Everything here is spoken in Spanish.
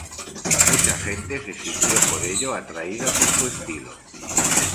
Mucha gente se sintió por ello atraída por su estilo.